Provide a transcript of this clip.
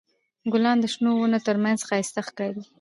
ګلان د شنو ونو تر منځ ښایسته ښکاري.